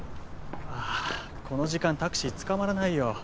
ああこの時間タクシーつかまらないよ。